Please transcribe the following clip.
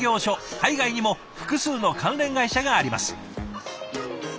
海外にも複数の関連会社があります。